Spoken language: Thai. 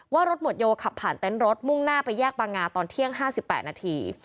ว่ารถหวดโยขับผ่านเต็นต์รถมุ่งหน้าไปแยกบางงาตอนเที่ยง๕๘นาที